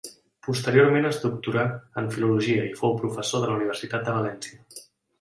Posteriorment es doctorà en filologia i fou professor de la Universitat de València.